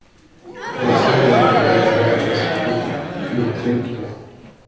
Men ser du inte vad det här ansiktet uttrycker?